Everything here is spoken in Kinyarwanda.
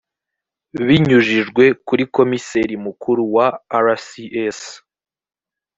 binyujijwe kuri komiseri mukuru wa rcs